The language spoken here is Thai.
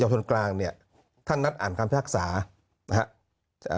ชนกลางเนี่ยท่านนัดอ่านคำพิพากษานะฮะอ่า